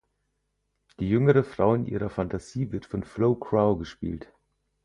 Die jüngere Frau in ihrer Phantasie wird von Flo Crowe gespielt.